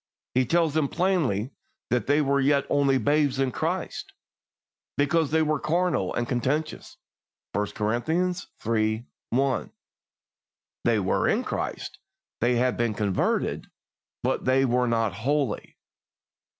He tells them plainly that they were yet only babes in Christ, because they were carnal and contentious (I Cor. iii. I). They were in Christ, they had been converted, but they were not holy.